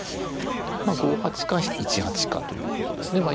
５八か１八かということですね。